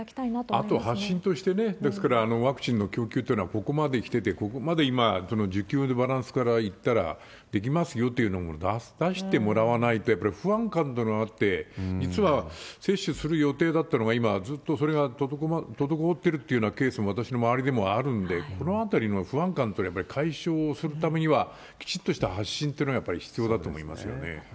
あと、発信としてね、ですから、ワクチンの供給っていうのはここまできてて、ここまで今、その需給のバランスからいったら、できますよというのを出してもらわないと、やっぱり不安感となって、実は接種する予定だったのが、今、ずっとそれが滞っているというようなケースも、私の周りでもあるんで、このあたりの不安感というのを解消をするためには、きちっとした発信っていうのがやっぱり必要だと思いますよね。